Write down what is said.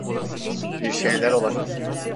Bir şeyler olacak…